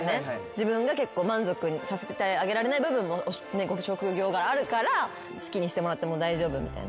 自分が結構満足にさせてあげられない部分もご職業柄あるから好きにしてもらっても大丈夫みたいな。